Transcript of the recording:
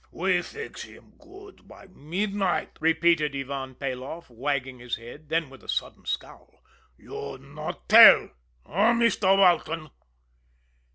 "We fix him goods by midnight," repeated Ivan Peloff, wagging his head; then, with a sudden scowl: "You not tell eh, Meester Walton?"